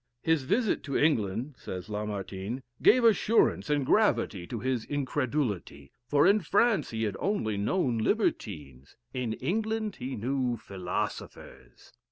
"His visit to England," says Lamartine, "gave assurance and gravity to his incredulity; for in France he had only known libertines in England he knew philosophers."